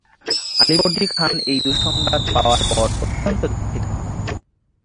আলীবর্দী খান এই সংবাদ পাওয়ার পর অত্যন্ত দু:খিত হন।